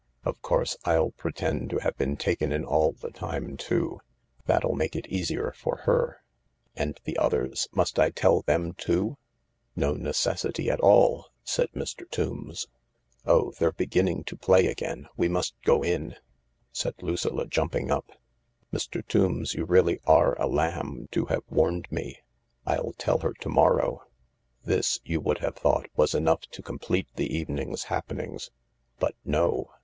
Of course I'll pretend to have been 270 THE LARK taken in all the time too ; that'll make it easier for her." " And the others — must I tell them too ?"" No necessity at all," said Mr. Tombs. " Oh, they're beginning to play again ; we must go in," said Lucilla, jumping up. "Mr, Tombs, you really are a lamb to have warned me. I'll tell her to morrow." This, you would have thought, was enough to complete the evening's happenings. But no.